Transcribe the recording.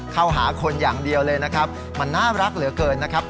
เข้าหาคนอย่างเดียวเลยนะครับมันน่ารักเหลือเกินนะครับ